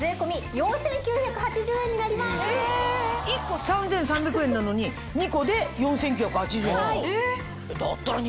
１個３３００円なのに２個で４９８０円なの？